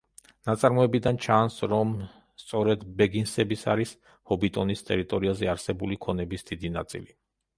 ნაწარმოებიდან ჩანს, რომ სწორედ ბეგინსების არის ჰობიტონის ტერიტორიაზე არსებული ქონების დიდი ნაწილი.